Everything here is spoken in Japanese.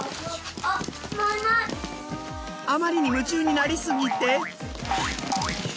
あまりに夢中になりすぎて。